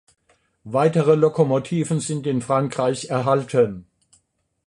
Weitere Lokomotiven sind in Frankreich erhalten.